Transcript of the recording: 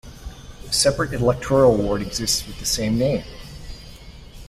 A separate electoral ward exists with the same name.